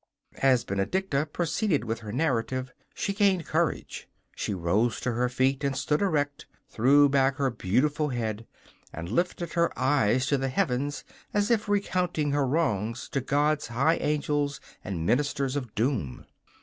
As Benedicta proceeded with her narrative she gained courage. She rose to her feet and stood erect, threw back her beautiful head and lifted her eyes to the heavens as if recounting her wrongs to God's high angels and ministers of doom.